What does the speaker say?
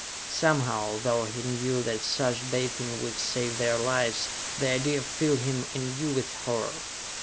Somehow, though he knew that such bathing would save their lives, the idea filled him anew with horror.